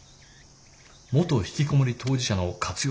元ひきこもり当事者の活用